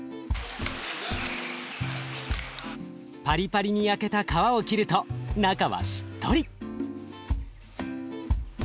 パリパリに焼けた皮を切ると中はしっとり。